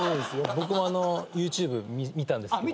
僕もＹｏｕＴｕｂｅ見たんですけど。